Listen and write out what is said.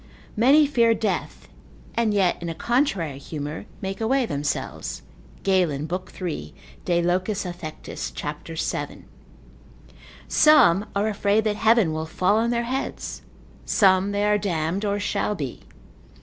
Many fear death, and yet in a contrary humour, make away themselves, Galen, lib. 3. de loc. affec. cap. 7. Some are afraid that heaven will fall on their heads: some they are damned, or shall be.